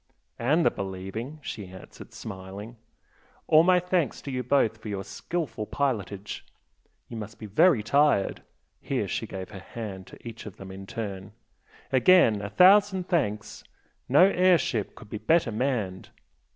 "And the believing!" she answered, smiling "All my thanks to you both for your skilful pilotage. You must be very tired " here she gave her hand to them each in turn "Again a thousand thanks! No air ship could be better manned!"